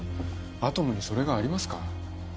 アトムにそれがありますか？